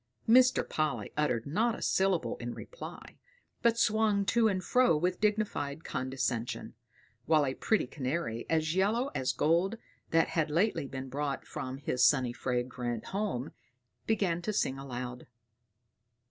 Mr. Polly uttered not a syllable in reply, but swung to and fro with dignified condescension; while a pretty canary, as yellow as gold, that had lately been brought from his sunny fragrant home, began to sing aloud.